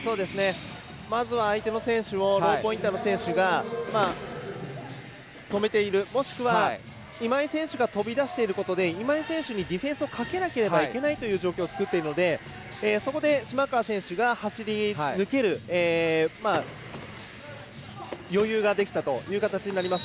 まずは相手の選手をローポインターの選手が止めている、もしくは今井選手が飛び出していることで今井選手にディフェンスをかけなければいけないという状況を作っているのでそこで、島川選手が走り抜ける余裕ができたという形になります。